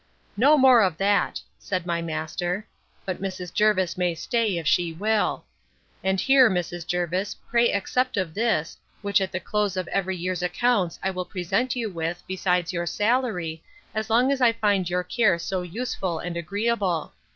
—No more of that, said my master; but Mrs. Jervis may stay, if she will: and here, Mrs. Jervis, pray accept of this, which at the close of every year's accounts I will present you with, besides your salary, as long as I find your care so useful and agreeable.